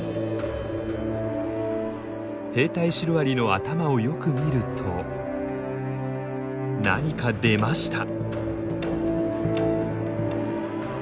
兵隊シロアリの頭をよく見ると何か出ました！